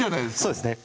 そうですね